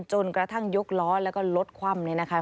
จนกระทั่งยกล้อแล้วก็รถคว่ำเนี่ยนะคะ